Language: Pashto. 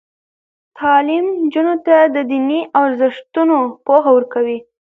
تعلیم نجونو ته د دیني ارزښتونو پوهه ورکوي.